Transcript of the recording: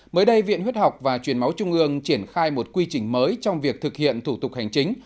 mới đây viện huyết học và truyền máu trung ương triển khai một quy trình mới trong việc thực hiện thủ tục hành chính